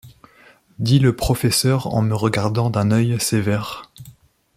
dit le professeur en me regardant d’un œil sévère.